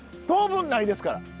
当分ないですから。